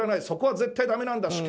そこは絶対だめなんだ